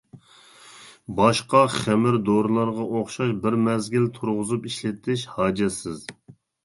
باشقا خېمىر دورىلارغا ئوخشاش بىر مەزگىل تۇرغۇزۇپ ئىشلىتىش ھاجەتسىز.